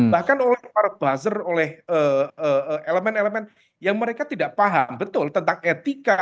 bahkan oleh para buzzer oleh elemen elemen yang mereka tidak paham betul tentang etika